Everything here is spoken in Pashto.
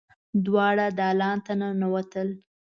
دواړه دالان ته ننوتل.